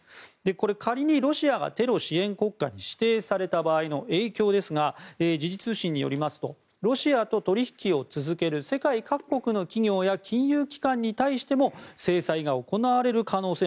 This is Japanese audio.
これ、仮にロシアがテロ支援国家に指定された場合の影響ですが時事通信によりますとロシアと取引を続ける世界各国の企業や金融機関に対しても制裁が行われる可能性。